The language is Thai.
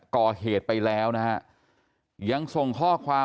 ก่อเขตไปแล้วยังส่งข้อความ